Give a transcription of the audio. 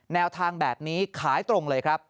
แนวทางแบบนี้ขายตรงเลยครับ